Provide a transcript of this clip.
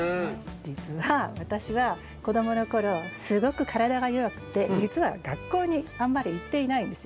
実は私は子供の頃すごく体が弱くて実は学校にあんまり行っていないんですよ。